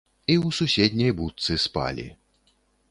І ў суседняй будцы спалі.